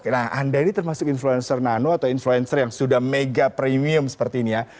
nah anda ini termasuk influencer nano atau influencer yang sudah mega premium seperti ini ya